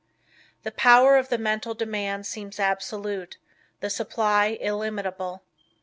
The power of the Mental Demand seems absolute, the supply illimitable.